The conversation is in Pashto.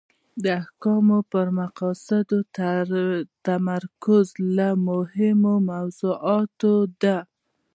د احکامو پر مقاصدو تمرکز له مهمو موضوعاتو ده.